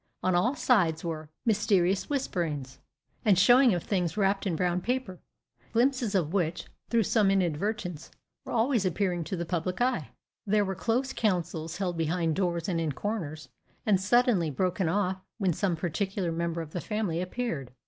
On all sides were mysterious whisperings, and showing of things wrapped in brown paper, glimpses of which, through some inadvertence, were always appearing to the public eye. There were close counsels held behind doors and in corners, and suddenly broken off when some particular member of the family appeared.